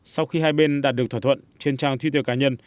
sau khi hai bên đạt được thỏa thuận trên trang twitter cá nhân